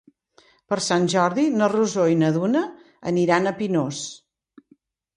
Per Sant Jordi na Rosó i na Duna aniran a Pinós.